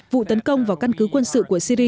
vụ tấn công vào căn cứ quân sự của syri